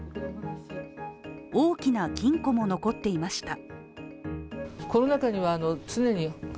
大きな金庫も残っていました。